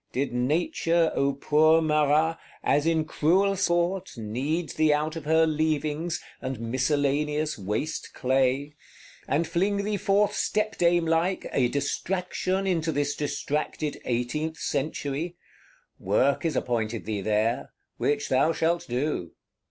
Did Nature, O poor Marat, as in cruel sport, knead thee out of her leavings, and miscellaneous waste clay; and fling thee forth stepdamelike, a Distraction into this distracted Eighteenth Century? Work is appointed thee there; which thou shalt do.